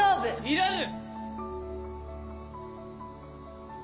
いらぬ！